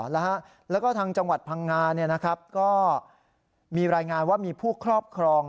แล้วก็ทางจังหวัดพังงาก็มีรายงานว่ามีผู้ครอบครอง